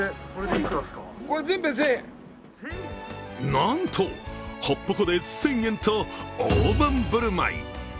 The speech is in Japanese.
なんと、８箱で１０００円と大盤振る舞い。